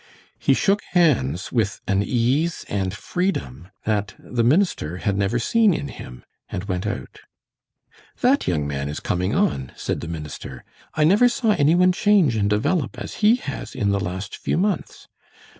He shook hands with an ease and freedom that the minister had never seen in him, and went out. "That young man is coming on," said the minister. "I never saw any one change and develop as he has in the last few months.